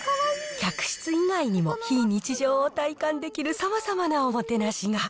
客室以外にも非日常を体感できるさまざまなおもてなしが。